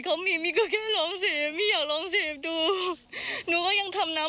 เกราะหมุนคราวนี้ได้ยังไง